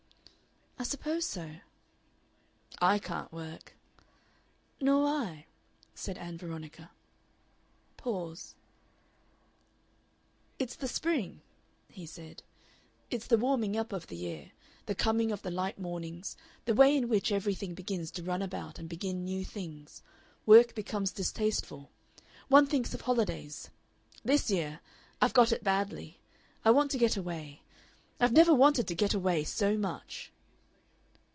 "I suppose so." "I can't work." "Nor I," said Ann Veronica. Pause. "It's the spring," he said. "It's the warming up of the year, the coming of the light mornings, the way in which everything begins to run about and begin new things. Work becomes distasteful; one thinks of holidays. This year I've got it badly. I want to get away. I've never wanted to get away so much."